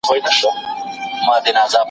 زده کړه په پښتو وړاندې کېږي.